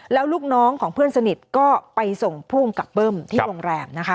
แล้วลูกน้องของเพื่อนสนิทก็ไปส่งภูมิกับเบิ้มที่โรงแรมนะคะ